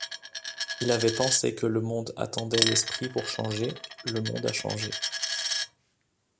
Il avait pensé que le monde attendait l'esprit pour changer...Le monde a changé...